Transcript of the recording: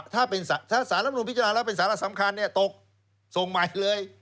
ถ้าสารรับนูลพิจารณาแล้วเป็นสาระสำคัญตกส่งใหม่เลย